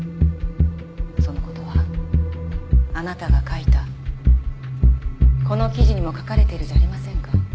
その事はあなたが書いたこの記事にも書かれているじゃありませんか。